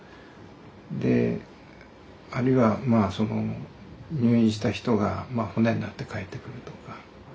であるいは入院した人が骨になって帰ってくるとか。